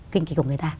kinh kịch của người ta